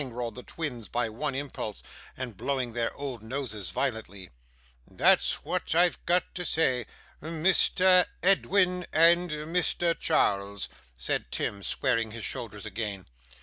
roared the twins by one impulse, and blowing their old noses violently. 'That's what I've got to say, Mr. Edwin and Mr. Charles,' said Tim, squaring his shoulders again.